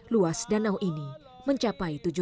luas danau ini mencapai